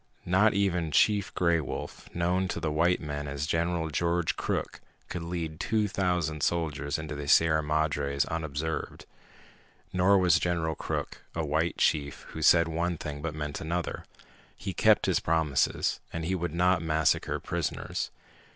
Not even Chief Gray Wolf, known to the white men as General George Crook, could lead two thousand soldiers into the Sierra Madres unobserved. Nor was General Crook a white chief who said one thing but meant another. He kept his promises, and he would not massacre prisoners.